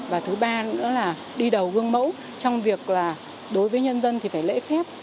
và thứ ba nữa là đi đầu gương mẫu trong việc là đối với nhân dân thì phải lễ phép